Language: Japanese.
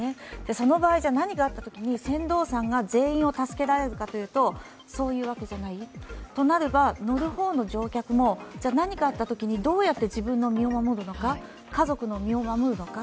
その場合、何かあったときに船頭さんが全員を助けられるかというとそういうわけじゃない、となれば、乗る方の乗客も何かあったときにどうやって自分の身を守るのか、家族の身を守るのか